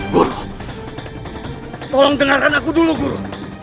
guru tolong dengarkan aku dulu guru